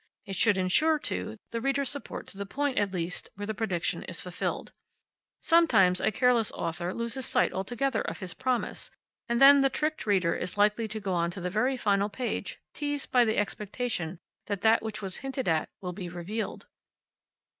It should insure, too, the readers's support to the point, at least, where the prediction is fulfilled. Sometimes a careless author loses sight altogether of his promise, and then the tricked reader is likely to go on to the very final page, teased by the expectation that that which was hinted at will be revealed.